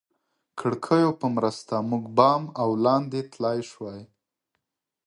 کړکیو په مرسته موږ بام او لاندې تلای شوای.